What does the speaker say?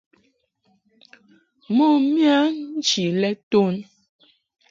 Mo miya nchi lɛ ton.